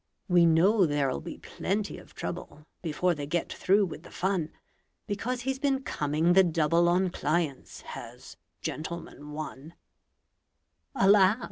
We know there'll be plenty of trouble Before they get through with the fun, Because he's been coming the double On clients, has "Gentleman, One". Alas!